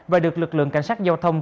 và được lực lượng cảnh sát giao thông